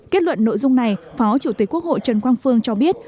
kết luận nội dung này phó chủ tịch quốc hội trần quang phương cho biết